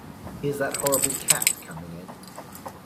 Here's that horrible cat coming in!